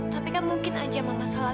tapi kan mungkin aja mama salah lihat